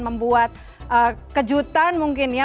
membuat kejutan mungkin ya